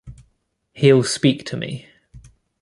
He’ll speak to me.